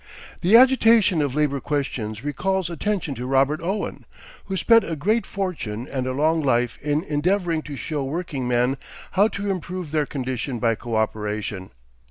The agitation of labor questions recalls attention to Robert Owen, who spent a great fortune and a long life in endeavoring to show workingmen how to improve their condition by coöperation.